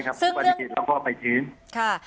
คือเรื่องนี้